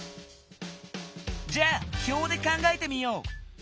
じゃあ表で考えてみよう！